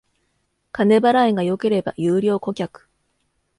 金払いが良ければ優良顧客